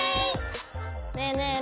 ねえねえ